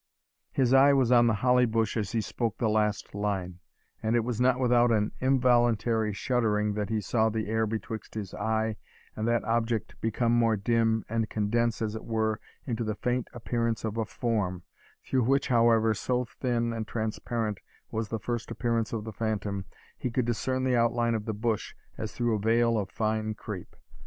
His eye was on the holly bush as he spoke the last line; and it was not without an involuntary shuddering that he saw the air betwixt his eye and that object become more dim, and condense, as it were, into the faint appearance of a form, through which, however, so thin and transparent was the first appearance of the phantom, he could discern the outline of the bush, as through a veil of fine crape.